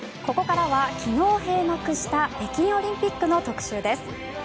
ここからは、昨日閉幕した北京オリンピックの特集です。